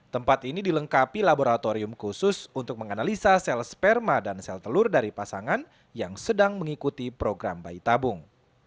tempat ini dilengkapi laboratorium khusus untuk menganalisa sel sperma dan sel telur dari pasangan yang sedang mengikuti program bayi tabung